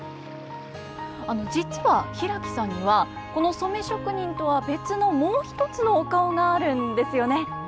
実は平木さんにはこの染職人とは別のもう一つのお顔があるんですよね。